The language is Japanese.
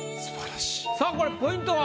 さあこれポイントは？